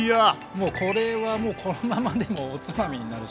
もうこれはこのままでもおつまみになるし。